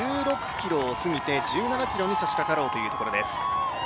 １６ｋｍを過ぎて１７ｋｍにさしかかろうというところです。